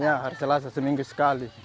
ya hari selasa seminggu sekali